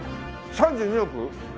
３２億